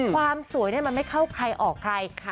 ความสวยมันไม่เข้าใครออกใคร